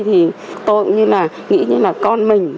tôi nghĩ như là con mình